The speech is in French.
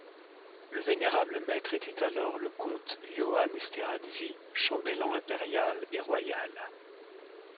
Le vénérable maître était alors le comte Johann Esterházy, chambellan impérial et royal.